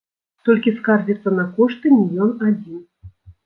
Толькі скардзіцца на кошты не ён адзін.